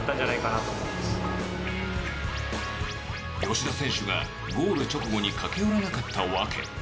吉田選手がゴール直後に駆け寄らなかった訳。